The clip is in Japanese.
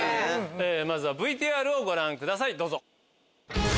まずはＶＴＲをご覧くださいどうぞ。